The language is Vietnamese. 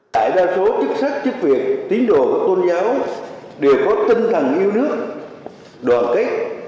đại đa số chức sắc chức việc tín đồ của tôn giáo đều có tinh thần yêu nước đoàn kết